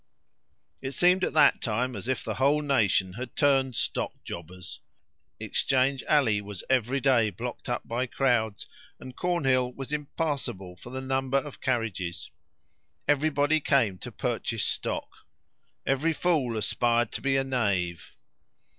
It seemed at that time as if the whole nation had turned stockjobbers. Exchange Alley was every day blocked up by crowds, and Cornhill was impassable for the number of carriages. Every body came to purchase stock. "Every fool aspired to be a knave."